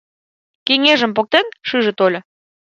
Кеҥежым поктен, шыже тольо.